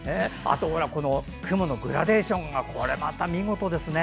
雲のグラデーションがこれまた見事ですよね。